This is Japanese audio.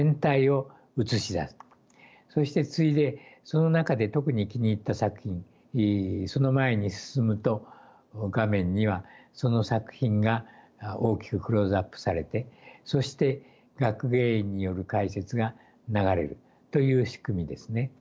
そして次いでその中で特に気に入った作品その前に進むと画面にはその作品が大きくクローズアップされてそして学芸員による解説が流れるという仕組みですね。